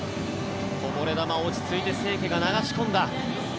こぼれ球落ち着いて清家が流し込んだ。